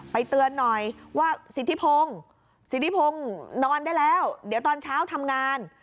เตือนหน่อยว่าสิทธิพงศ์สิทธิพงศ์นอนได้แล้วเดี๋ยวตอนเช้าทำงาน